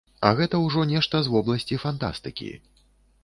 А гэта ўжо нешта з вобласці фантастыкі.